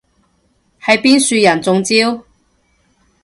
係邊樹人中招？